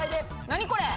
何これ？